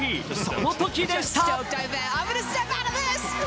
そのときでした。